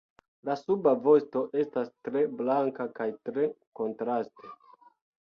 La suba vosto estas tre blanka kaj tre kontraste.